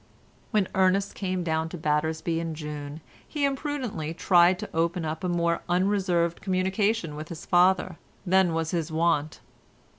When Ernest came down to Battersby in June, he imprudently tried to open up a more unreserved communication with his father than was his wont.